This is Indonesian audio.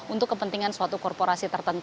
untuk kepentingan korporasi